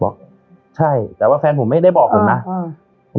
ใช่แต่ว่าแฟนผมไม่ได้บอกผมนะอืม